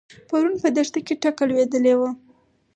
پرون په دښته کې ټکه لوېدلې وه.